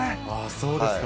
そうですか。